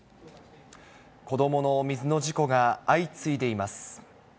子どもの水の事故が相次いでいます。